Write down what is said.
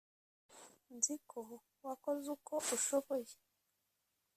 nzi ko wakoze uko ushoboye